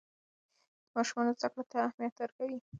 د ماشومانو زده کړې ته اهمیت ورکوي.